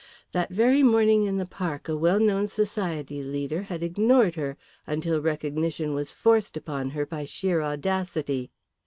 That very morning in the Park a well known society leader had ignored her until recognition was forced upon her by sheer audacity.